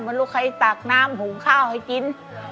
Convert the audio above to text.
มันรู้ใครตากปะของข้าวให้กิน